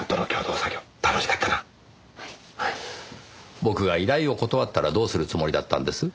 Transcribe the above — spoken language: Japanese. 僕が依頼を断ったらどうするつもりだったんです？